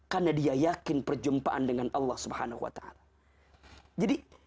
karena dia yakin perjumpaan dengan allah subhanahu wa ta'ala